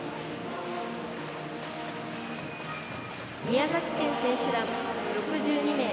宮崎県選手団、６２名。